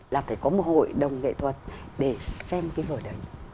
là phải có một hội đồng nghệ thuật để xem cái vở đấy